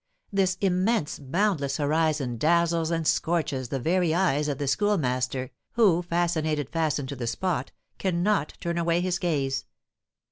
This immense, boundless horizon dazzles and scorches the very eyes of the Schoolmaster, who, fascinated, fastened to the spot, cannot turn away his gaze.